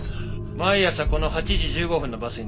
毎朝この８時１５分のバスに乗ってるのか？